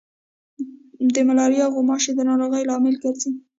د ملاریا غوماشي د ناروغیو لامل ګرځي.